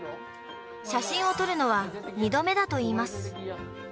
写真を撮るのは２度目だといいます。